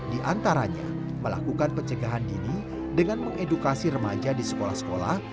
di antaranya melakukan pencegahan dini dengan mengedukasi remaja di sekolah sekolah